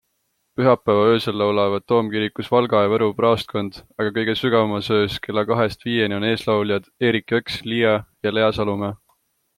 Pühapäeva öösel laulavad toomkirikus Valga ja Võru praostkond, aga kõige sügavamas öös kella kahest viieni on eeslauljad Eerik Jõks, Lia ja Lea Salumäe.